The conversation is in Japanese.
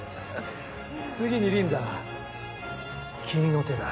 次にリンダ君の手だ。